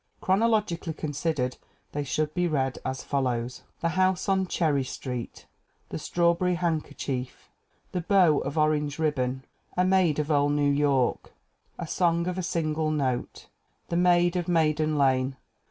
Chronologically considered they should be read as follows : The House on Cherry Street. The Strawberry Handkerchief. The Bow of Orange Ribbon. AMELIA E. BARR 311 A Maid of Old New York. A Song of a Single Note. The Maid of Maiden Lane.